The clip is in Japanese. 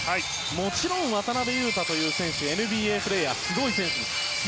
もちろん渡邊雄太という選手はＮＢＡプレーヤーですごい選手です。